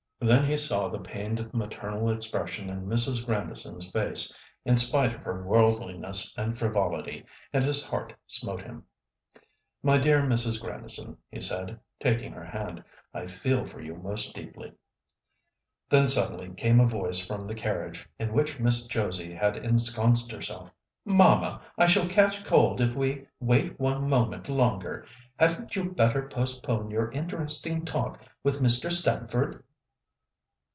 Then he saw the pained maternal expression in Mrs. Grandison's face, in spite of her worldliness and frivolity, and his heart smote him. "My dear Mrs. Grandison," he said, taking her hand, "I feel for you most deeply." Then suddenly came a voice from the carriage, in which Miss Josie had ensconced herself. "Mamma, I shall catch cold if we wait one moment longer. Hadn't you better postpone your interesting talk with Mr. Stamford?"